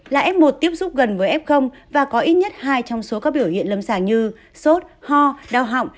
là f một tiếp xúc gần với f và có ít nhất hai trong số các biểu hiện lâm sàng như sốt ho đau họng